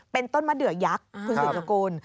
เป็นต้นมัดเหลือยักษ์คุณสิทธิ์ชระกูล